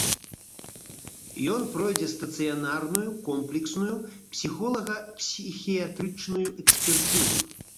Ён пройдзе стацыянарную комплексную псіхолага-псіхіятрычную экспертызу.